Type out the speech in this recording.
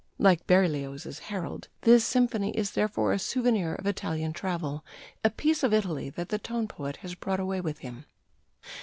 Like Berlioz's 'Harold,' this symphony is therefore a souvenir of Italian travel, a piece of Italy that the tone poet has brought away with him."